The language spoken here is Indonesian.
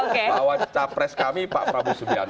bahwa capres kami pak prabowo subianto